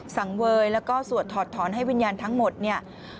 สังเวยแล้วก็สวดถอดถอนให้วิญญาณทั้งหมดเนี่ย